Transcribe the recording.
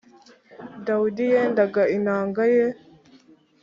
dawidi yendaga inanga ye